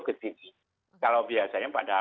ketidik kalau biasanya pada